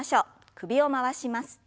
首を回します。